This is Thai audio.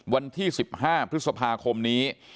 วันที่๑๕พฤษภาคมนี้